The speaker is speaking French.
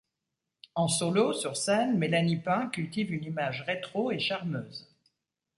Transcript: En solo, sur scène, Mélanie Pain cultive une image retro et charmeuse.